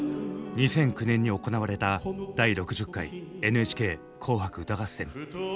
２００９年に行われた第６０回「ＮＨＫ紅白歌合戦」。